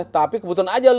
tapi kebutuhan aja loh